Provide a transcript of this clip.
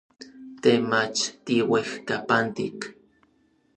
Te mach tiuejkapantik.